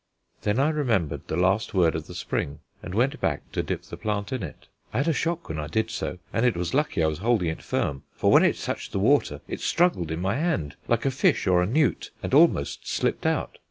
Then I remembered the last word of the spring and went back to dip the plant in it. I had a shock when I did so, and it was lucky I was holding it firm, for when it touched the water it struggled in my hand like a fish or a newt and almost slipped out.